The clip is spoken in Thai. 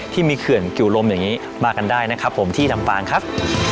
เขื่อนกิวลมอย่างนี้มากันได้นะครับผมที่ลำปางครับ